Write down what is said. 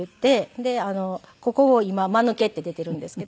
でここを今「まぬけ」って出ているんですけど。